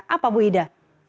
apa bu ida